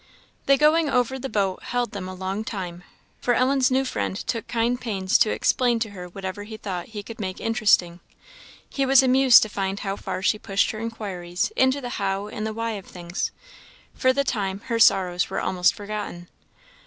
The going over the boat held them a long time, for Ellen's new friend took kind pains to explain to her whatever he thought he could make interesting; he was amused to find how far she pushed her inquiries into the how and the why of things. For the time her sorrows were almost forgotten.